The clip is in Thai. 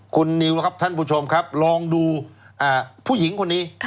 คุณนิวครับท่านผู้ชมครับลองดูผู้หญิงคนนี้